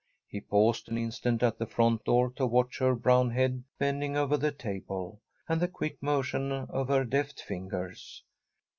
He paused an instant at the front door to watch her brown head bending over the table, and the quick motion of her deft fingers.